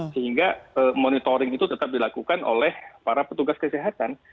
sehingga monitoring itu tetap dilakukan oleh para petugas kesehatan